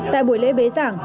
tại buổi lễ bế giảng